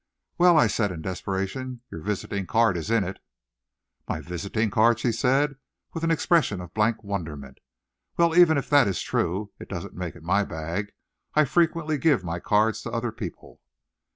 "Well," I said, in desperation, "your visiting card is in it." "My visiting card!" she said, with an expression of blank wonderment. "Well, even if that is true, it doesn't make it my bag. I frequently give my cards to other people."